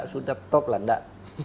sudah top lah